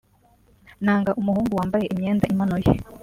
Nanga umuhungu wambaye imyenda imanuye